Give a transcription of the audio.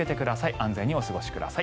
安全にお過ごしください。